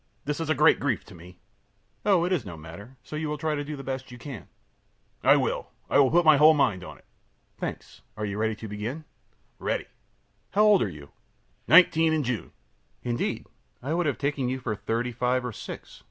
This is a great grief to me.ö ōOh, it is no matter, so you will try to do the best you can.ö ōI will. I will put my whole mind on it.ö ōThanks. Are you ready to begin?ö ōReady.ö Q. How old are you? A. Nineteen, in June. Q. Indeed. I would have taken you to be thirty five or six.